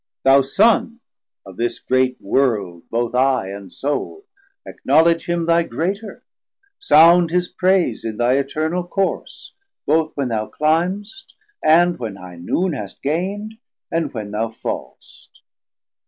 170 Thou Sun, of this great World both Eye and Soule, Acknowledge him thy Greater, sound his praise In thy eternal course, both when thou climb'st, And when high Noon hast gaind, & when thou fallst.